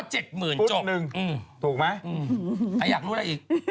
ก็๗หมื่นจบถูกนึงถูกไหมใครอยากรู้อะไรอีก